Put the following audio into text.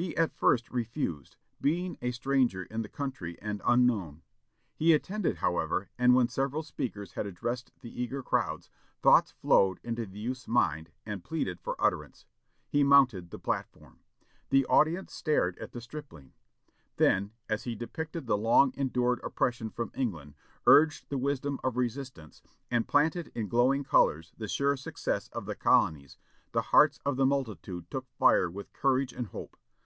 He at first refused, being a stranger in the country and unknown. He attended, however; and when several speakers had addressed the eager crowds, thoughts flowed into the youth's mind and pleaded for utterance. He mounted the platform. The audience stared at the stripling. Then, as he depicted the long endured oppression from England, urged the wisdom of resistance, and painted in glowing colors the sure success of the colonies, the hearts of the multitude took fire with courage and hope.